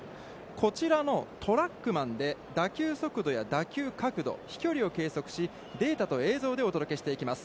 こちらのトラックマンで打球速度や打球角度、飛距離を計測しデータと映像でお届けしていきます。